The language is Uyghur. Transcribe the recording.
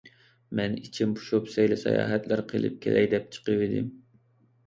مەن ئىچىم پۇشۇپ، سەيلە - ساياھەتلەر قىلىپ كېلەي دەپ چىقىۋىدىم.